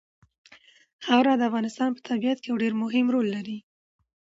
خاوره د افغانستان په طبیعت کې یو ډېر مهم رول لري.